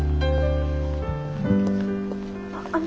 あっあの。